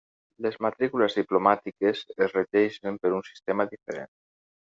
Les matrícules diplomàtiques es regeixen per un sistema diferent.